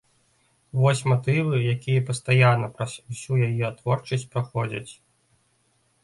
Вось матывы, якія пастаянна праз усю яе творчасць праходзяць.